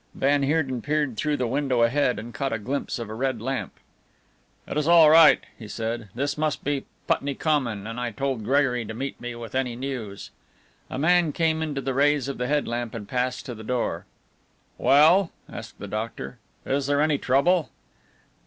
Van Heerden peered through the window ahead and caught a glimpse of a red lamp. "It is all right," he said, "this must be Putney Common, and I told Gregory to meet me with any news." A man came into the rays of the head lamp and passed to the door. "Well," asked the doctor, "is there any trouble?"